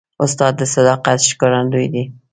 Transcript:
استاد د صداقت ښکارندوی دی.